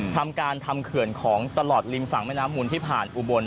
ทำการทำเขื่อนของตลอดริมฝั่งแม่น้ำมูลที่ผ่านอุบล